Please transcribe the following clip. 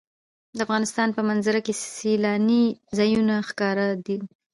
د افغانستان په منظره کې سیلانی ځایونه ښکاره ده.